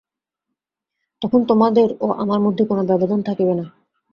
তখন তোমাদের ও আমার মধ্যে কোন ব্যবধান থাকিবে না।